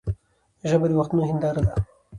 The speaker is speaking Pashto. ژبه د وختونو هنداره ده.